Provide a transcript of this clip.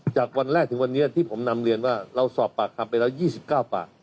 จากวันแรกถึงวันนี้ที่ผมนำเรียนว่าเราสอบปากคำไปแล้ว๒๙ปาก